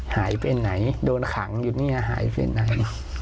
หายไปไหนโดนขังอยู่เนี่ยหายไปไหน